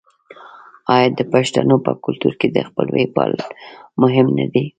آیا د پښتنو په کلتور کې د خپلوۍ پالل مهم نه دي؟